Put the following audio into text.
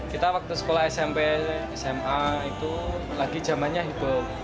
kita waktu sekolah smp sma itu lagi zamannya heboh